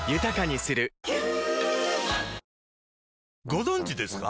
ご存知ですか？